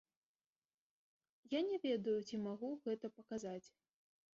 Я не ведаю, ці магу гэта паказаць.